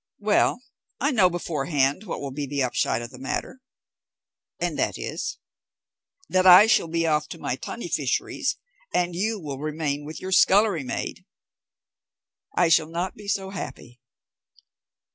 "Well, I know beforehand what will be the upshot of the matter." "And that is?" "That I shall be off to my tunny fisheries, and you will remain with your scullery maid." "I shall not be so happy."